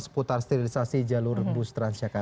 seputar sterilisasi jalur bus transjakarta